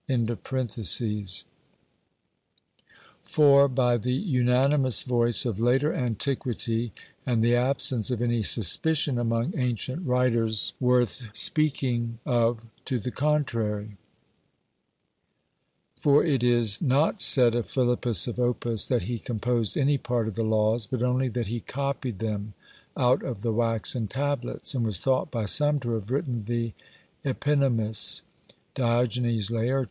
(4) by the unanimous voice of later antiquity and the absence of any suspicion among ancient writers worth speaking of to the contrary; for it is not said of Philippus of Opus that he composed any part of the Laws, but only that he copied them out of the waxen tablets, and was thought by some to have written the Epinomis (Diog. Laert.)